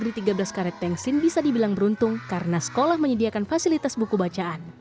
murid di sd negeri tiga belas karet pengsin bisa dibilang beruntung karena sekolah menyediakan fasilitas buku bacaan